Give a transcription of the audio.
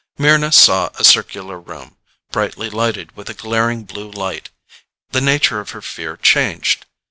Mryna saw a circular room, brightly lighted with a glaring, blue light. The nature of her fear changed.